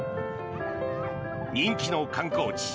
人気の観光地